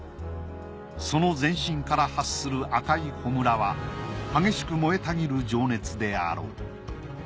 その全身から発する赤いほむらは激しく燃えたぎる情熱であろう。